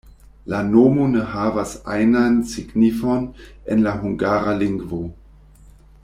La nomo ne havas ajnan signifon en la hungara lingvo.